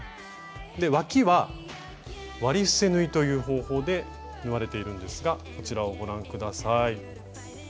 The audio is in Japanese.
わきは「割り伏せ縫い」という方法で縫われているんですがこちらをご覧下さい。